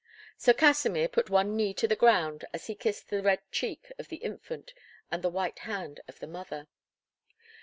Sir Kasimir put one knee to the ground as he kissed the red cheek of the infant and the white hand of the mother.